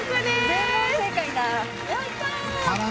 全問正解だ。